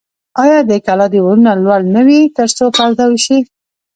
آیا د کلا دیوالونه لوړ نه وي ترڅو پرده وشي؟